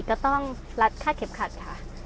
ก็ต้องแลทคาดเข็มขาดค่ะ